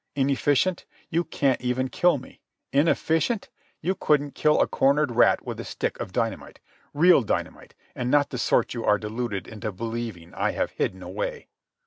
Inefficient? You can't even kill me. Inefficient? You couldn't kill a cornered rat with a stick of dynamite—real dynamite, and not the sort you are deluded into believing I have hidden away."